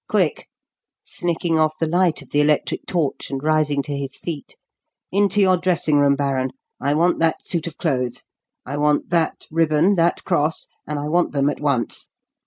Quick" snicking off the light of the electric torch and rising to his feet "into your dressing room, baron. I want that suit of clothes; I want that ribbon, that cross and I want them at once.